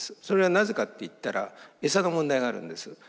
それはなぜかっていったらエサの問題があるんです。